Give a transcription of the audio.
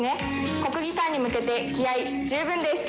国技館に向けて気合い十分です。